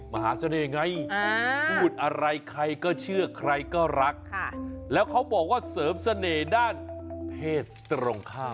มหาเสน่ห์ไงพูดอะไรใครก็เชื่อใครก็รักแล้วเขาบอกว่าเสริมเสน่ห์ด้านเพศตรงข้าม